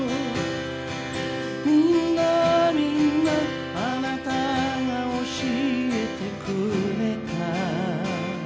「みんなみんなあなたが教えてくれた」